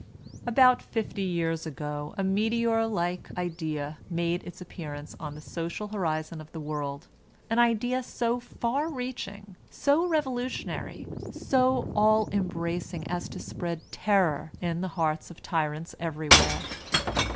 About fifty years ago, a meteor like idea made its appearance on the social horizon of the world, an idea so far reaching, so revolutionary, so all embracing as to spread terror in the hearts of tyrants everywhere.